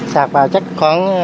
sạt vào chắc khoảng